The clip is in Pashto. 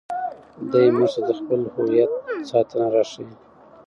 دی موږ ته د خپل هویت ساتنه راښيي.